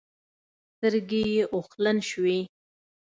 سترګې يې اوښلن شوې.